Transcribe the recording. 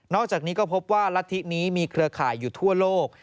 อกจากนี้ก็พบว่ารัฐธินี้มีเครือข่ายอยู่ทั่วโลก